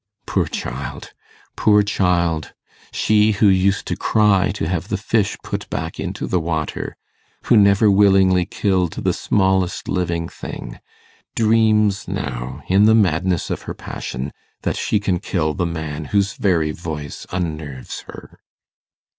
Poor child! poor child! she who used to cry to have the fish put back into the water who never willingly killed the smallest living thing dreams now, in the madness of her passion, that she can kill the man whose very voice unnerves her.